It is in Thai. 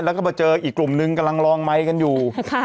แล้วก็มาเจออีกกลุ่มนึงกำลังลองไมค์กันอยู่